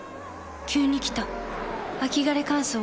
急に来た秋枯れ乾燥。